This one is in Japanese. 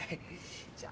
じゃあ。